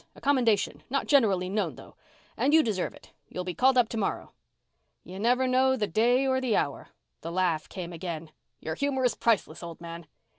A commendation. Not generally known, though. And you deserve it. You'll be called up tomorrow." "You never know the day or the hour." The laugh came again. "You're humor is priceless, old man."